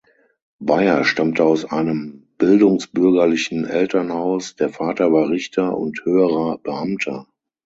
Beyer stammte aus einem bildungsbürgerlichen Elternhaus, der Vater war Richter und höherer Beamter.